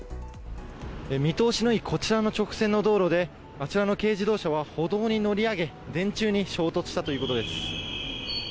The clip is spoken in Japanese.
見通しのいいこちらの直線の道路であちらの軽自動車は歩道に乗り上げ電柱に衝突したということです。